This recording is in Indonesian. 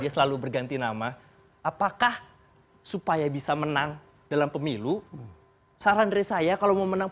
dia selalu berganti nama apakah supaya bisa menang dalam pemilu saran dari saya kalau mau menang